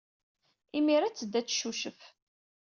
Imir-a ad teddu ad teccucef.